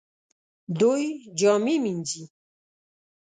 دوی جامې مینځي